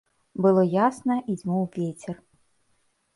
Было ясна і дзьмуў вецер.